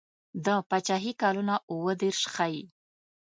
د پاچهي کلونه اووه دېرش ښيي.